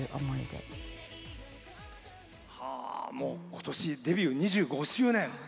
今年デビュー２５周年。